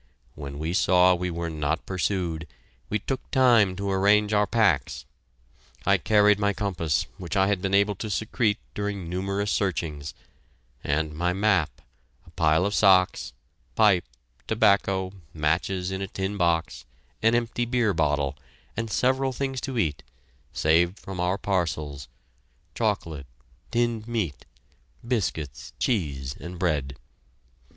When we saw we were not pursued, we took time to arrange our packs. I carried my compass, which I had been able to secrete during numerous searchings, and my map, a pair of socks, pipe, tobacco, matches in a tin box, an empty beer bottle, and several things to eat, saved from our parcels, chocolate, tinned meat, biscuits, cheese, and bread.